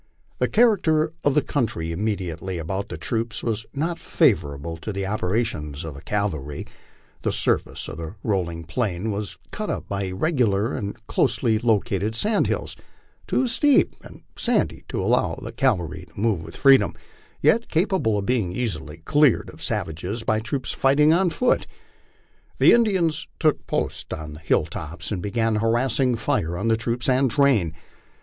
The character of the country immediately about the troops was not favorable to the operations of cavalry; the surface of the rolling plain was cut up by irregular and closely located sand hills, too steep and sandy to allow cavalry to move v/ith freedom, yet capable of being easily cleared of savages by troops fighting on foot. The Indians took post on the hill tops and began a harassing fire on the troops and train.